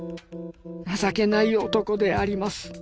情けない男であります。